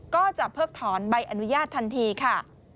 ก็จะเพิกถอนใบอนุญาตทันทีค่ะ